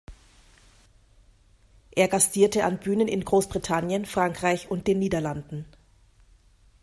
Er gastierte an Bühnen in Großbritannien, Frankreich und den Niederlanden.